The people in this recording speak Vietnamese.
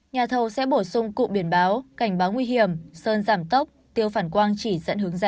nhà thầu sẽ bổ sung cụ biển báo cảnh báo nguy hiểm sơn giảm tốc tiêu phản quang chỉ dẫn hướng dẫn